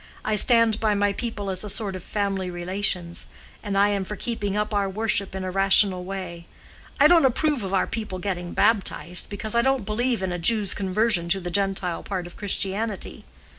I stand by my people as a sort of family relations, and I am for keeping up our worship in a rational way. I don't approve of our people getting baptised, because I don't believe in a Jew's conversion to the Gentile part of Christianity.